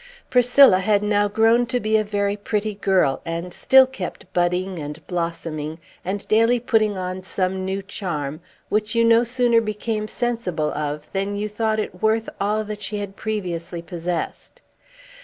Priscilla had now grown to be a very pretty girl, and still kept budding and blossoming, and daily putting on some new charm, which you no sooner became sensible of than you thought it worth all that she had previously possessed.